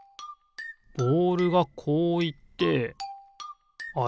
ボールがこういってあれ？